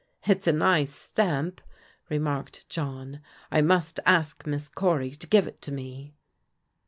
" It's a nice stamp," remarked John. " I must ask Miss Cory to give it to me."